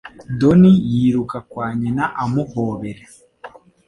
Donnie yiruka kwa nyina amuhobera.